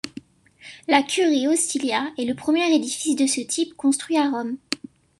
La Curie Hostilia est le premier édifice de ce type construit à Rome.